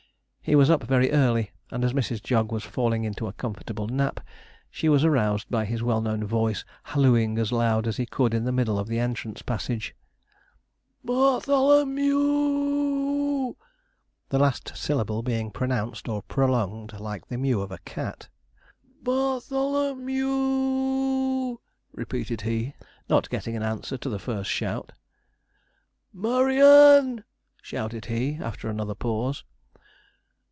He was up very early, and as Mrs. Jog was falling into a comfortable nap, she was aroused by his well known voice hallooing as loud as he could in the middle of the entrance passage. 'BARTHOLO me e w!' the last syllable being pronounced or prolonged like a mew of a cat. 'BARTHOLO me e w!' repeated he, not getting an answer to the first shout. 'MURRY ANN!' shouted he, after another pause.